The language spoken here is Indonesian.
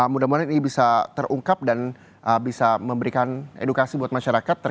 mudah mudahan ini bisa terungkap dan bisa memberikan edukasi buat masyarakat